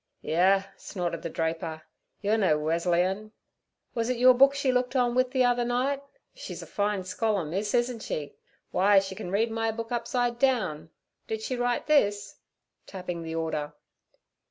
'Yuh!' snorted the draper; 'you're no Weserleyan. Was it your book she looked on with the other night? She's a fine scholar, miss, isn't she? Why, she can read my book upside down. Did she write this?' tapping the order.